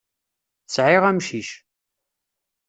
Sɛiɣ amcic.